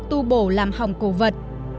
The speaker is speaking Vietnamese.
tu bổ làm hồng cổ vật